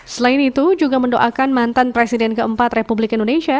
selain itu juga mendoakan mantan presiden keempat republik indonesia